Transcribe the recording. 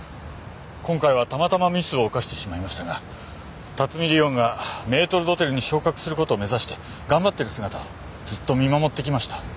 今回はたまたまミスを犯してしまいましたが辰見莉音がメートル・ドテルに昇格する事を目指して頑張ってる姿をずっと見守ってきました。